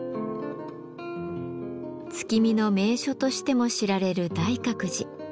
月見の名所としても知られる大覚寺。